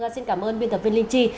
xin cảm ơn biên tập viên linh chi